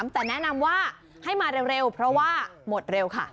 แต่แนะนำว่าให้มาเร็วเพราะว่าหมดเร็วค่ะ